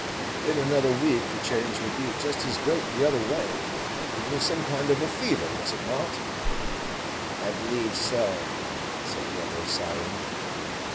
"In another week the change will be just as great the other way. It was some kind of a fever, was it not?" "I believe so," said the other, sighing.